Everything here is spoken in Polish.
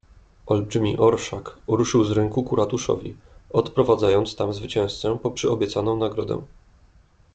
"Olbrzymi orszak ruszył z rynku ku ratuszowi, odprowadzając tam zwycięzcę po przyobiecaną nagrodę."